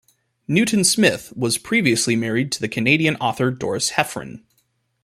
Newton-Smith was previously married to the Canadian author Dorris Heffron.